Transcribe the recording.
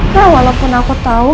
ya walaupun aku tau